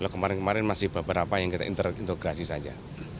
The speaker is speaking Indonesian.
kemarin kemarin masih beberapa yang kita integrasi saja